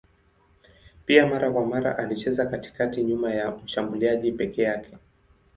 Pia mara kwa mara alicheza katikati nyuma ya mshambuliaji peke yake.